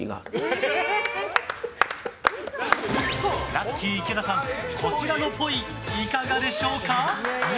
ラッキィ池田さん、こちらのっぽい、いかがでしょうか？